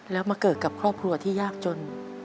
แล้วมาเกิดกับครอบครัวที่ยากจน